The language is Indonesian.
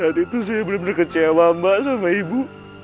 lagi lagi jahat itu saya benar benar kecewa mbak sama ibu